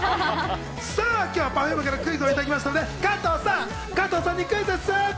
今日はＰｅｒｆｕｍｅからクイズもいただきましたので、加藤さんにクイズッス！っと。